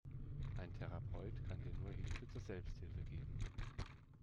Ein Therapeut kann dir nur Hilfe zur Selbsthilfe geben.